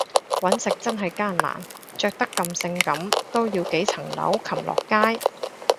搵食真係艱難，着得咁性感都要幾層樓擒落街